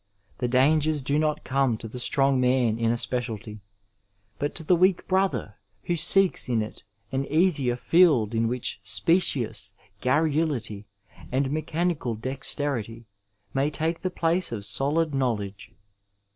The dangers do not come to the strong man in a speciality, but to the weak brother who seeks in it an easier field in which specious garrulity and mechanical dexterity may take the place of solid knowledge.